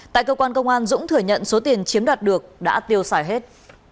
tại cơ quan công an dũng thừa nhận số tiền chiếm đoạt được đã tiêu xài hết